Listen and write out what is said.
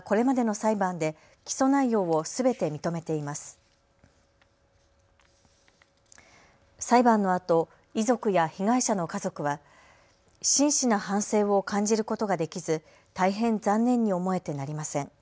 裁判のあと遺族や被害者の家族は真摯な反省を感じることができず大変残念に思えてなりません。